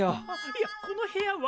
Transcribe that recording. いやこの部屋は。